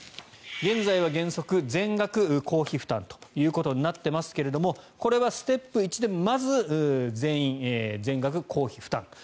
現在は原則全額公費負担となっていますがこれはステップ１でまず、全員全額公費負担と。